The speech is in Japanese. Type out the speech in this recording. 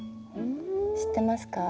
知ってますか？